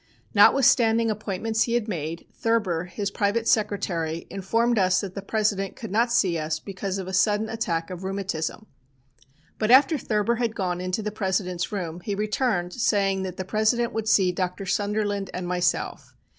Notwithstanding appointments he had made, Thurber, his private secretary, informed us that the President could not see us because of a sudden attack of rheumatism. But after Thurber had gone into the President's room, he returned saying that the President would see Dr. Sunderland and myself.